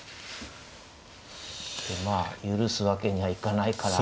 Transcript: でまあ許すわけにはいかないから。